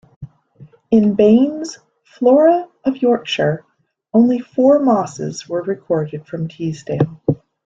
In Baines's "Flora of Yorkshire" only four mosses were recorded from Teesdale.